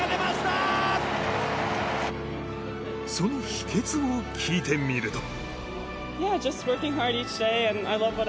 その秘訣を聞いてみると。